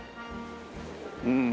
うん。